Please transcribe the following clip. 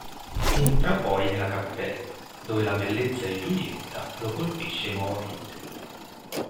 Entra poi nella cappella, dove la bellezza di Giulietta lo colpisce nuovamente.